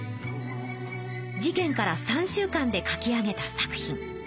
事件から３週間で書き上げた作品。